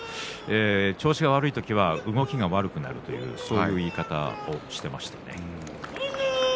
調子が悪い時は動きが悪くなるというそういう言い方をしていました。